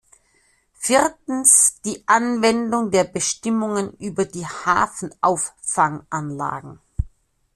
Viertens die Anwendung der Bestimmungen über die Hafenauffanganlagen.